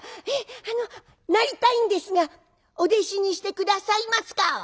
「ええなりたいんですがお弟子にして下さいますか？」。